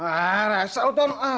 ah resah lo tom